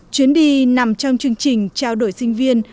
chuyến đi nằm trong chương trình trao đổi sinh viên